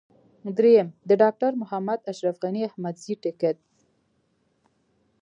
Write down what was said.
درېم: د ډاکټر محمد اشرف غني احمدزي ټکټ.